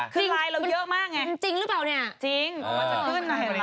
คือไลน์เราเยอะมากไง